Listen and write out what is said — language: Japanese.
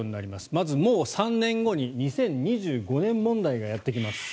まず、もう３年後に２０２５年問題がやってきます。